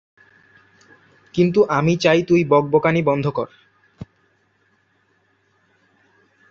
কিন্তু আমি চাই তুই বকবকানি বন্ধ কর।